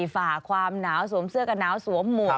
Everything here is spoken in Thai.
ฝ่าความหนาวสวมเสื้อกันหนาวสวมหมวก